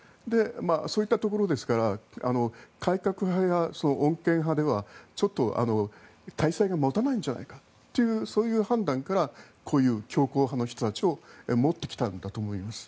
そういったところですから改革派や穏健派ではちょっと体制が持たないんじゃないかという判断からこういう強硬派の人たちを持ってきたんだと思います。